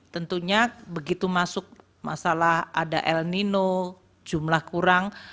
tentunya begitu masuk masalah ada el nino jumlah kurang